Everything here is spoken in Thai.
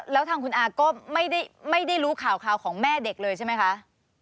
แล้วทางคุณอาก็ไม่ได้รู้ข่าวของแม่เด็กเลยใช่ไหมคะ